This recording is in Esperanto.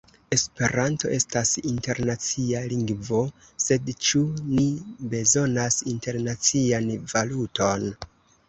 Esperanto estas internacia lingvo, sed ĉu ni bezonas internacian valuton?